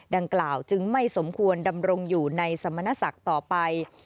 ดังกล่าวจึงไม่สมควรดำรงอยู่ในสมณศักดิ์ต่อไป